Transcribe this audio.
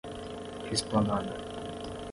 Esplanada